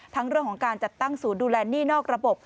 เรื่องของการจัดตั้งศูนย์ดูแลหนี้นอกระบบ